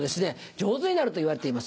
上手になるといわれています。